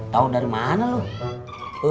tau dari mana lu